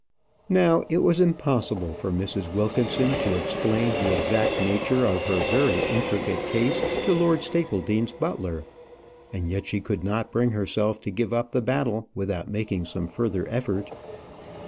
Now it was impossible for Mrs. Wilkinson to explain the exact nature of her very intricate case to Lord Stapledean's butler, and yet she could not bring herself to give up the battle without making some further effort.